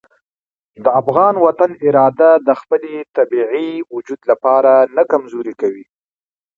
د افغان وطن اراده د خپل طبیعي وجود لپاره نه کمزورې کوي.